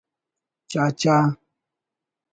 چاچا